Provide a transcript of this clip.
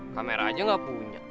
kameranya gak punya